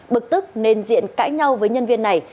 bực tức nên diện cãi nhau với nhân viên này